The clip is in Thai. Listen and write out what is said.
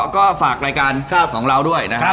ก็ฝากรายการของเราด้วยนะครับ